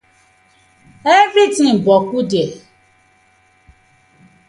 Everytins boku there.